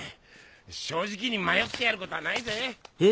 正直に迷ってやることはないぜ。